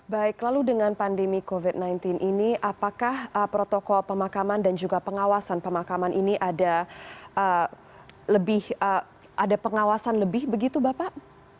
baik lalu dengan pandemi covid sembilan belas ini apakah protokol pemakaman dan juga pengawasan pemakaman ini ada pengawasan lebih begitu bapak